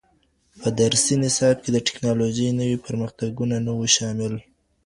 په درسي نصاب کي د ټکنالوژۍ نوي پرمختګونه نه وو شامل.